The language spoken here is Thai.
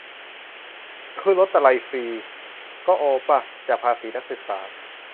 แต่ขึ้นรถตะลัยฟรี ก็โอป่ะ ? จากภาษีนักศึกษา